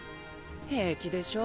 平気でしょう？